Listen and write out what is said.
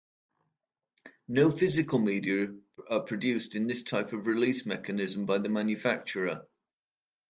No physical media are produced in this type of release mechanism by the manufacturer.